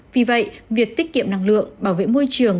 vì vậy việc tiết kiệm năng lượng bảo vệ môi trường